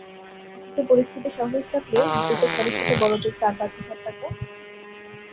অথচ পরিস্থিতি স্বাভাবিক থাকলে যেতে খরচ হতো বড়জোর চার-পাঁচ হাজার টাকা।